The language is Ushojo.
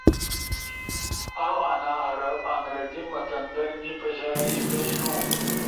اؤ انا حرف انگریزی متن در نی پشاری بینو۔